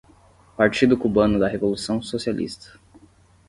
Partido Cubano da Revolução Socialista